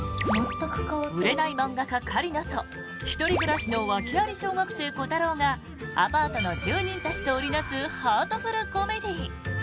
売れない漫画家、狩野と１人暮らしの訳あり小学生コタローがアパートの住民たちと織りなすハートフルコメディー。